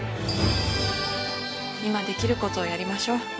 今できる事をやりましょう。